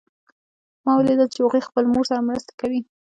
ما ولیدل چې هغوی خپل مور سره مرسته کوي